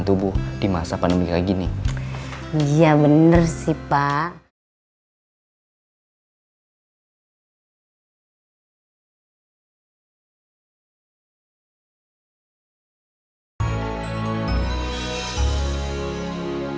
tubuh di masa pandemi kayak gini iya bener sih pak